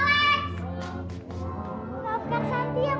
aku seorang kapiter